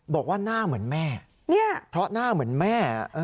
บอกว่าหน้าเหมือนแม่เพราะหน้าเหมือนแม่